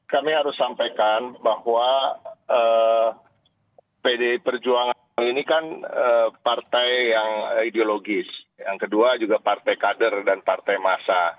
kami harus sampaikan bahwa pdi perjuangan ini kan partai yang ideologis yang kedua juga partai kader dan partai masa